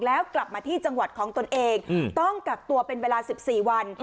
แล้วกลับมาที่จังหวัดของตนเองต้องกักตัวเป็นเวลา๑๔วัน